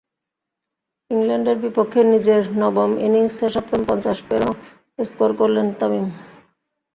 ইংল্যান্ডের বিপক্ষে নিজের নবম ইনিংসে সপ্তম পঞ্চাশ পেরোনো স্কোর করলেন তামিম।